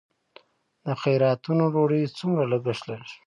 د خیراتونو ډوډۍ څومره لګښت لري؟